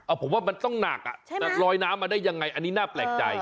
ผมว่ามันต้องหนักอ่ะลอยน้ำมาได้ยังไงอันนี้น่าแปลกใจ